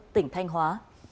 tỉnh thanh hóa